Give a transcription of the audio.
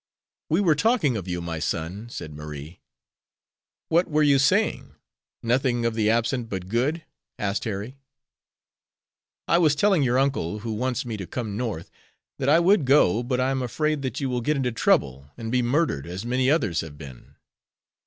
"We were talking of you, my son," said Marie. "What were you saying? Nothing of the absent but good?" asked Harry. "I was telling your uncle, who wants me to come North, that I would go, but I am afraid that you will get into trouble and be murdered, as many others have been."